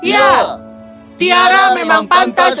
ya tiara memang pantas